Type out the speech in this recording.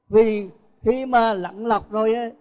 vì khi mà lặng lọc rồi ấy